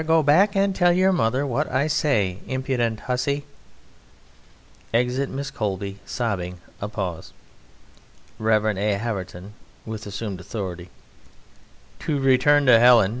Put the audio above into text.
Go back and tell your mother what I say.... Impudent hussy!... (Exit MISS COBLEY sobbing. A pause.) REV. A. HAVERTON (with assumed authority): To return to Helen.